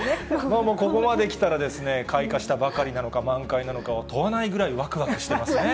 ここまできたらですね、開花したばかりなのか、満開なのかは問わないぐらい、わくわくしてますね。